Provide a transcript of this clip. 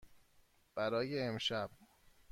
برای امشب.